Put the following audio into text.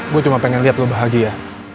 gue cuma pengen lihat lo bahagia